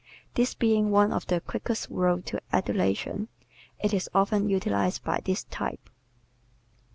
This being one of the quickest roads to adulation, it is often utilized by this type.